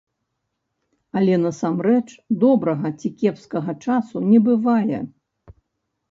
Але насамрэч добрага ці кепскага часу не бывае.